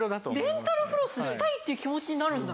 デンタルフロスしたいっていう気持ちになるんだ。